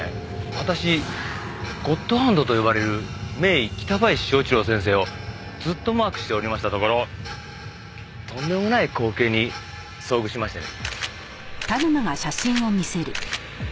私ゴッドハンドと呼ばれる名医北林昭一郎先生をずっとマークしておりましたところとんでもない光景に遭遇しましてね。